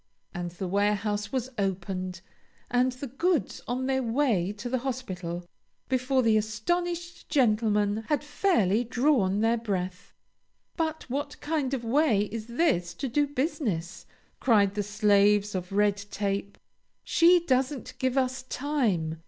And the warehouse was opened, and the goods on their way to the hospital, before the astonished gentlemen had fairly drawn their breath. "But what kind of way is this to do business?" cried the slaves of Red Tape. "She doesn't give us time!